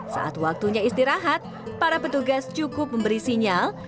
saat waktunya istirahat para petugas cukup memberi sinyal